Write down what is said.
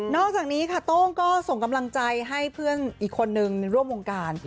อกจากนี้ค่ะโต้งก็ส่งกำลังใจให้เพื่อนอีกคนนึงร่วมวงการ